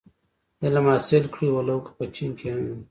علم حاصل کړی و لو که په چين کي هم وي.